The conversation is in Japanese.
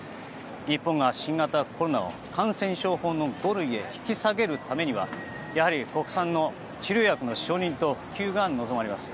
日本が新型コロナを感染症法の五類へ引き下げるためにはやはり、国産の治療薬の承認と普及が望まれます。